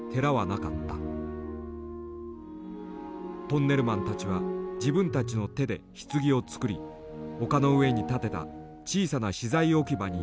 トンネルマンたちは自分たちの手でひつぎを作り丘の上に建てた小さな資材置き場に遺体を運んだ。